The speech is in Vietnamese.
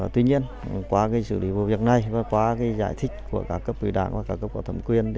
tuy nhiên qua sự lý vụ việc này và qua giải thích của các cấp ủy đảng và các cấp thẩm quyền